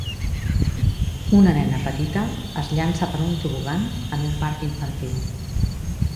Una nena petita es llança per un tobogan en un parc infantil.